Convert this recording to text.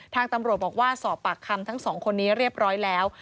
ทางตำรวจบอกว่าสอบปากคำทั้งสองคนนี้เรียบร้อยแล้ว